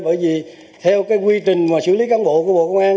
bởi vì theo quy trình xử lý cán bộ của bộ công an